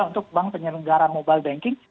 untuk bank penyelenggara mobile banking